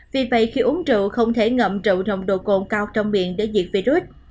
vì vậy khi uống rượu không thể ngậm rượu nồng độ côn cao trong miệng để diệt virus